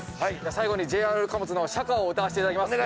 最後にＪＲ貨物の社歌を歌わせて頂きます。